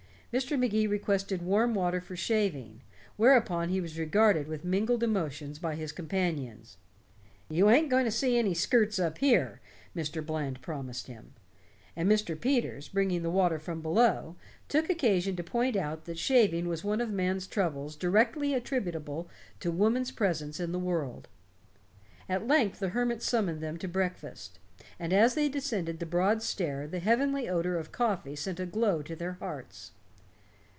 Mr. Magee requested warm water for shaving; whereupon he was regarded with mingled emotions by his companions. "You ain't going to see any skirts up here," Mr. Bland promised him. And Mr. Peters, bringing the water from below, took occasion to point out that shaving was one of man's troubles directly attributable to woman's presence in the world. At length the hermit summoned them to breakfast, and as they descended the broad stair the heavenly odor of coffee sent a glow to their hearts.